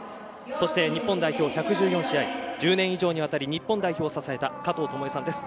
そして、日本代表１１４試合１０年以上にわたり日本代表を支えた加藤與惠さんです。